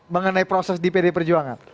mengenai proses di pd perjuangan